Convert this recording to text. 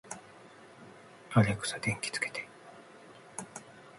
アレクサ、電気をつけて